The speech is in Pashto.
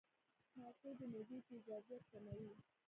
مالټې د معدې تیزابیت کموي.